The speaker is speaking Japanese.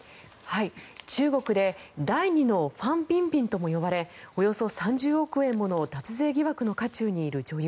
中国で第２のファン・ビンビンとも呼ばれおよそ３０億円もの脱税疑惑の渦中にいる女優